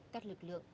các lực lượng